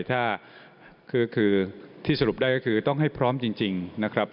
ถ้าคือที่สรุปได้ก็คือต้องให้พร้อมจริงนะครับ